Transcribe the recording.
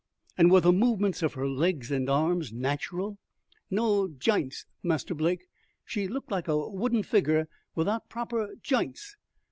"And were the movements of her legs and arms natural?" "No j'ints, Master Blake. She looked like a wooden figger without proper j'ints!